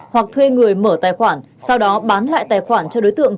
hoặc thuê người mở tài khoản sau đó bán lại tài khoản cho đối tượng